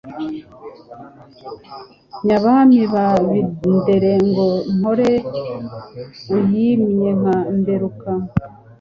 Nyabami ba Birende Ngo mpore uyimye nka Mberuka.